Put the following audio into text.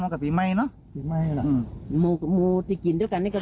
กลับไปตากินเล่านี่นะ